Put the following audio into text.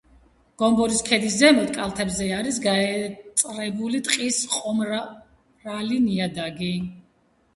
გომბორის ქედის ზემო კალთებზე არის გაეწრებული ტყის ყომრალი ნიადაგი.